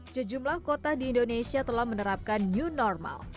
sejumlah kota di indonesia telah menerapkan new normal